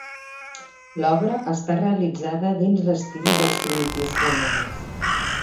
L'obra està realitzada dins l'estil dels primitius flamencs.